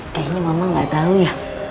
kayaknya mama gak tau ya